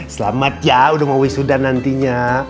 selamat ya udah mau wisuda nantinya